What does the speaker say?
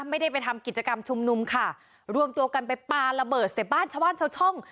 ไม่ได้ไปทำกิจกรรมชุมนุมค่ะรวมตัวกันไปปลาระเบิดใส่บ้านชาวบ้านชาวช่อง